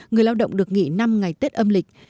người lao động được nghỉ năm ngày tết âm lịch